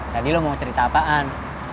tadi lo mau cerita apaan